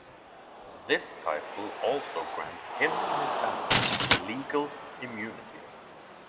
This title also grants him and his family Legal immunity.